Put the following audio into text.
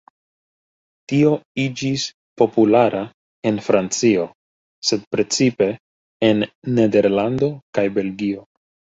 Tio iĝis populara en Francio, sed precipe en Nederlando kaj Belgio.